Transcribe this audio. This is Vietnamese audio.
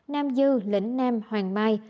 nam dư lĩnh nam hoàng mai